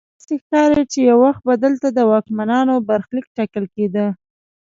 داسې ښکاري چې یو وخت به دلته د واکمنانو برخلیک ټاکل کیده.